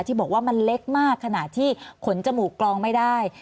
ที่บอกว่ามันเล็กมากขนาดที่ขนจมูกกลองไม่ได้